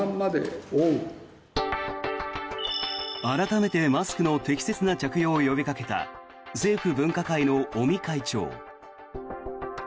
改めてマスクの適切な着用を呼びかけた政府分科会の尾身会長。